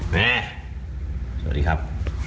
แม่สวัสดีครับ